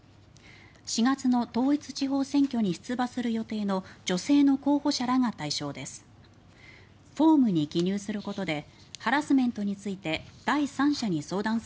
４月の統一地方選挙に出馬する予定の女性の候補者らが対象です。